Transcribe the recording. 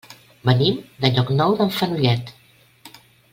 Venim de Llocnou d'en Fenollet.